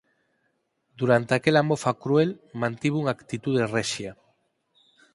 Durante aquela mofa cruel, mantivo unha actitude rexia.